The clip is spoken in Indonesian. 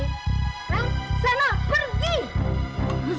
rambut sana pergi